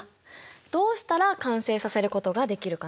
どうしたら完成させることができるかな？